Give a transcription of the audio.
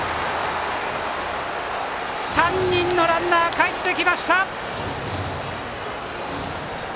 ３人のランナーかえってきました！